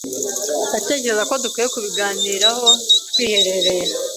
Ndatekereza ko dukwiye kubiganiraho twiherereye.